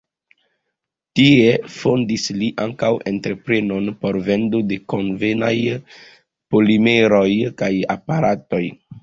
Tie fondis li ankaŭ entreprenon por vendo de konvenaj polimeroj kaj aparatoj.